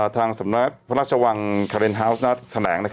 ทางสำนักพระนักชาวงค์คาเลนท์ฮาวส์หน้าแสนแหลง